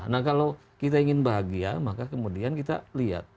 nah kalau kita ingin bahagia maka kemudian kita lihat